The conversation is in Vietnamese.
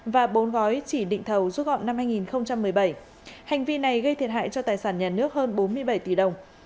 và bốn gói chỉ định thầu rút gọn năm hai nghìn một mươi bảy hành vi này gây thiệt hại cho tài sản nhà nước hơn bốn mươi bảy tỷ đồng